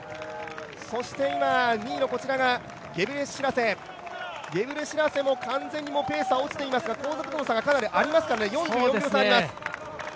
そして今、２位のゲブレシラセゲブレシラセももうペースは落ちていますが後続との差がかなりあります、４４秒差あります。